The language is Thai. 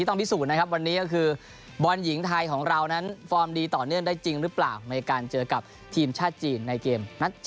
ในเมืองนัดถึงอันดับสาม